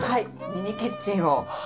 ミニキッチンを。